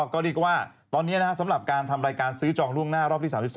ก็เรียกว่าตอนนี้สำหรับการทำรายการซื้อจองล่วงหน้ารอบที่๓๒